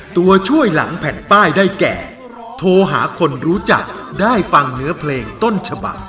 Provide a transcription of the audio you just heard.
ตัวช่วยหลังแผ่นป้ายได้แก่โทรหาคนรู้จักได้ฟังเนื้อเพลงต้นฉบัก